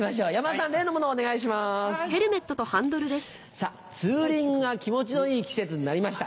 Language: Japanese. さぁツーリングが気持ちのいい季節になりました。